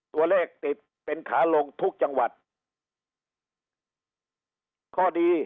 ตัวเลขติดเป็นขาลงทุกจังหวัดข้อดี